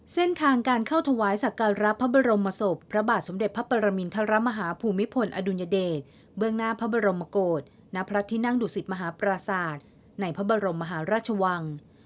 เส้นทางการเข้าถวายสักการรับพระบรมศพพระบาทสมเด็จพระปรมินทรมาฮาภูมิพลอดุลยเดชเบื้องหน้าพระบรมโกศณพระที่นั่งดุสิตมหาปราศาสตร์ในพระบรมมหาราชวัง